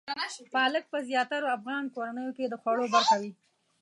پالک په زیاترو افغان کورنیو کې د خوړو برخه وي.